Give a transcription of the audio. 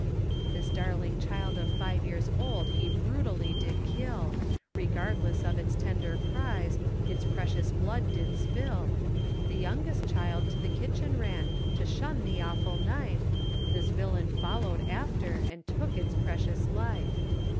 This darling child of five years old he brutally did kill, Regardless of its tender cries, its precious blood did spill, The youngest child to the kitchen ran, to shun the awful knife, This villain followed after and took its precious life.